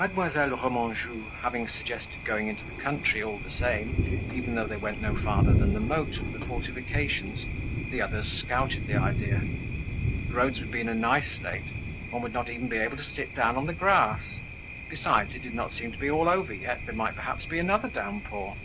Mademoiselle Remanjou, having suggested going into the country all the same, even though they went no farther than the moat of the fortifications, the others scouted the idea: the roads would be in a nice state, one would not even be able to sit down on the grass; besides, it did not seem to be all over yet, there might perhaps be another downpour.